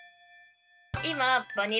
今バニラ